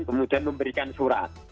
kemudian memberikan surat